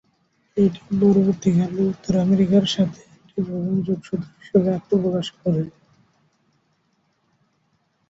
এটি পরবর্তীকালে উত্তর আমেরিকার সাথে একটি প্রধান যোগসূত্র হিসেবে আত্মপ্রকাশ করে।